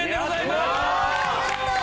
やったー！